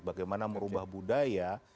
bagaimana merubah budaya